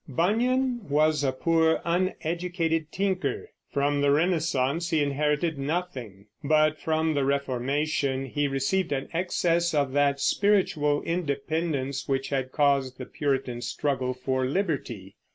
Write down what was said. Bunyan was a poor, uneducated tinker. From the Renaissance he inherited nothing; but from the Reformation he received an excess of that spiritual independence which had caused the Puritan struggle for liberty.